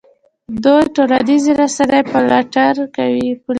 دوی ټولنیزې رسنۍ فلټر کوي.